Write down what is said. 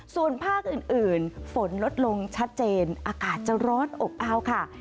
ส่วนภาคอื่นฝนลดลงชัดเจนอากาศจะร้อนอบอ้าวค่ะ